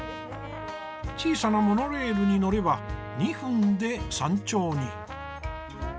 小さなモノレールに乗れば２分で山頂に。